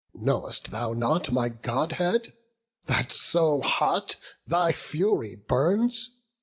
know'st thou not My Godhead, that so hot thy fury burns?